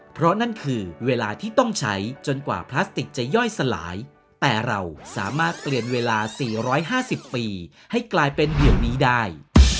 เพราะนั่นคือเวลาที่ต้องใช้จนกว่าพลาสติกจะย่อยสลายแต่เราสามารถเปลี่ยนเวลา๔๕๐ปีให้กลายเป็นเดี๋ยวนี้ได้